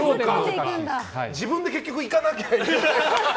自分で結局行かなきゃいけない。